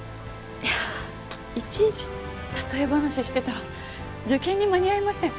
いやいちいち例え話してたら受験に間に合いません。